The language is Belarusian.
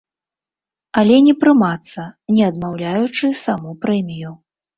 Але не прымацца, не адмаўляючы саму прэмію.